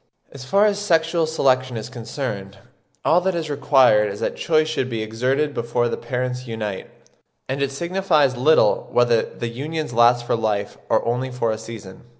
As far as sexual selection is concerned, all that is required is that choice should be exerted before the parents unite, and it signifies little whether the unions last for life or only for a season.